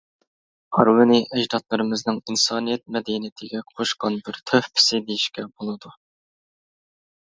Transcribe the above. ھارۋىنى ئەجدادلىرىمىزنىڭ ئىنسانىيەت مەدەنىيىتىگە قوشقان بىر تۆھپىسى دېيىشكە بولىدۇ.